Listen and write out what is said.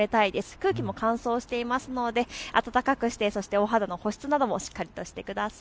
空気も乾燥していますので暖かくして、そしてお肌の保湿などもしっかりしてください。